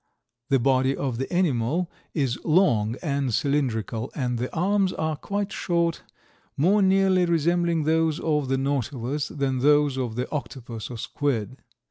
The body of the animal is long and cylindrical and the arms are quite short, more nearly resembling those of the Nautilus than those of the Octopus or squid.